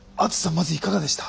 まずいかがでした？